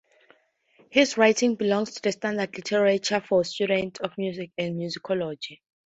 His writings belong to the standard literature for students of music and musicology.